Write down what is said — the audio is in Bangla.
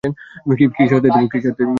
কী সারতে যাব?